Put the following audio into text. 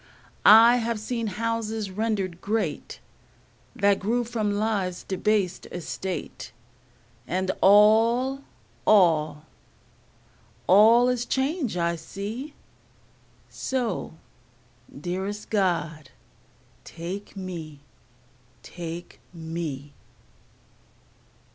I have seen houses rendered great That grew from life's debased estate, And all, all, all is change I see, So, dearest God, take me, take me.